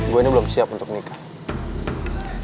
gue ini belum siap untuk nikah